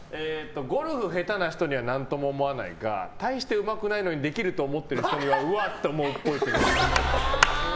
ゴルフ下手な人には何とも思わないが大してうまくないのにできると思ってる人にはうわっと思うっぽい。